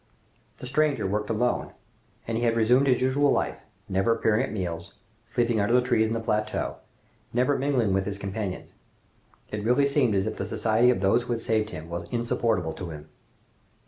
The stranger worked alone, and he had resumed his usual life, never appearing at meals, sleeping under the trees in the plateau, never mingling with his companions. It really seemed as if the society of those who had saved him was insupportable to him!